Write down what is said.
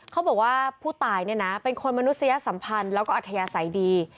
เขาบอกว่าผู้ตายเนี่ยนะเป็นคนมนุษยสัมพันธ์แล้วก็อัธยาศัยดี